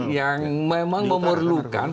yang memang memerlukan